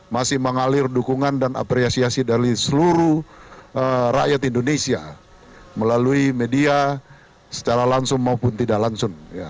masih mengalir dukungan dan apresiasi dari seluruh rakyat indonesia melalui media secara langsung maupun tidak langsung